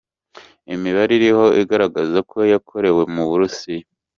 Imibare iriho igaragaza ko yakorewe mu Burusiya.